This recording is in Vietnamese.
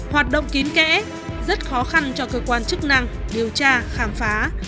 hoạt động kín kẽ rất khó khăn cho cơ quan chức năng điều tra khám phá